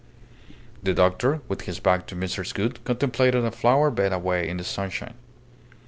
The doctor, with his back to Mrs. Gould, contemplated a flower bed away in the sunshine.